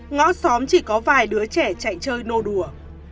ngõ xóm chỉ có vài đứa trẻ chạy chơi nô đùa